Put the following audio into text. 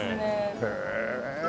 へえ。